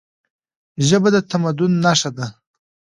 ژبه د تمدن نښه ده.